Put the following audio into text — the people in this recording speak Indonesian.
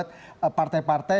untuk menyebutnya sebagai non partai